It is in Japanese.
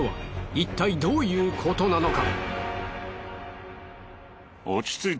いったいどういうことなのか？